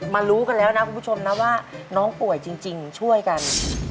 รู้กันแล้วนะคุณผู้ชมนะว่าน้องป่วยจริงช่วยกัน